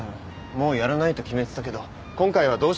もうやらないと決めてたけど今回はどうしても許せなくて。